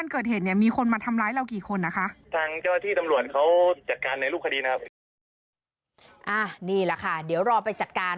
นี่แหละค่ะเดี๋ยวรอไปจัดการ